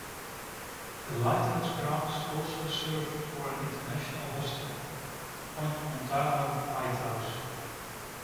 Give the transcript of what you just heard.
The lighthouse grounds also serve for an international hostel, Point Montara Lighthouse.